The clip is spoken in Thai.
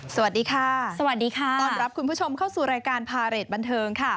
สวัสดีค่ะสวัสดีค่ะต้อนรับคุณผู้ชมเข้าสู่รายการพาเรทบันเทิงค่ะ